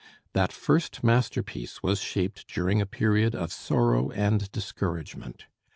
That first masterpiece was shaped during a period of sorrow and discouragement.